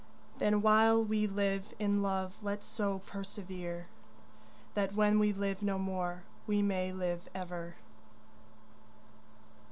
Then while we live, in love let's so perservere That when we live no more, we may live ever.